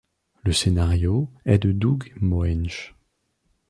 Le scénario est de Doug Moench.